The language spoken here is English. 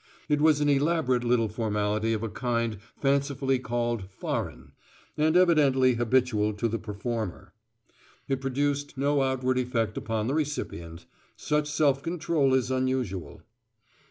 It was an elaborate little formality of a kind fancifully called "foreign," and evidently habitual to the performer. It produced no outward effect upon the recipient. Such self control is unusual.